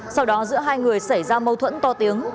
sau đó giữa hai người xảy ra mâu thuẫn to tiếng